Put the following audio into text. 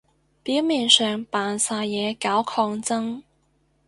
表面上扮晒嘢搞抗爭